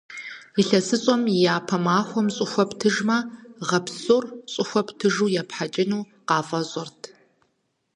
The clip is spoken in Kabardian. ИлъэсыщӀэм и япэ махуэм щӀыхуэ птыжмэ, гъэ псор щӀыхуэ птыжу епхьэкӀыну къафӀэщӏырт.